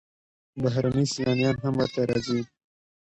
بهرني سیلانیان هم ورته راځي.